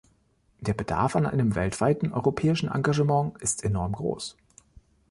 Der Bedarf an einem weltweiten europäischen Engagement ist enorm groß.